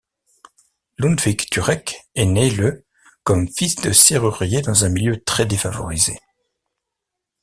Ludiwg Turek est né le comme fils de serrurier dans un milieu très défavorisé.